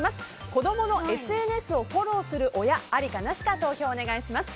子供のＳＮＳをフォローする親ありかなしか投票お願いします。